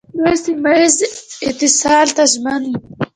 دوی سیمه ییز اتصال ته ژمن دي.